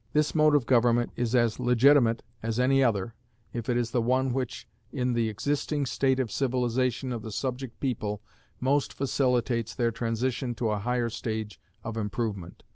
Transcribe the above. This mode of government is as legitimate as any other, if it is the one which in the existing state of civilization of the subject people most facilitates their transition to a higher stage of improvement.